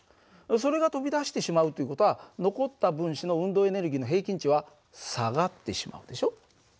それが飛び出してしまうという事は残った分子の運動エネルギーの平均値は下がってしまうでしょ。